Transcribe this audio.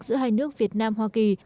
giữa hai nước việt nam hoa kỳ